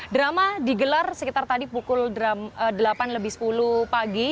drama digelar sekitar tadi pukul delapan lebih sepuluh pagi